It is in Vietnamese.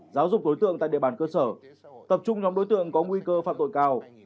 giáo dục đối tượng tại địa bàn cơ sở tập trung nhóm đối tượng có nguy cơ phạm tội cao